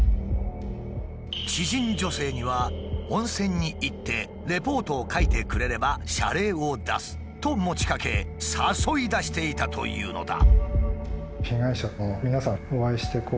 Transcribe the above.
知人女性には「温泉に行ってレポートを書いてくれれば謝礼を出す」と持ちかけ誘い出していたというのだ。